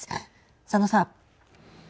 佐野さん。